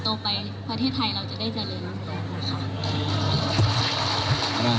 โตไปในประเทศไทยเราจะได้เจริญ